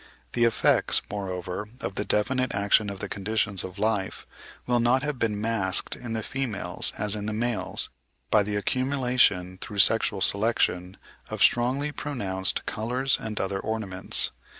The effects, moreover, of the definite action of the conditions of life, will not have been masked in the females, as in the males, by the accumulation through sexual selection of strongly pronounced colours and other ornaments.